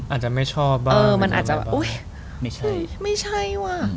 อาจจะไม่ชอบบ้างไม่ใช่ว่ะ